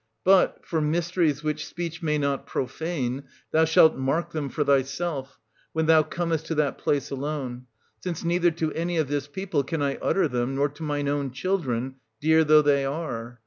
But, for mysteries which speech may not profane, thou shalt mark them for thyself, when thou comest to that place alone : since neither to any of this people can I utter them, nor to mine own children, dear though they are.